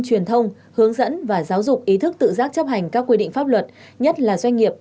truyền thông hướng dẫn và giáo dục ý thức tự giác chấp hành các quy định pháp luật nhất là doanh nghiệp